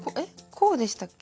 こうでしたっけ？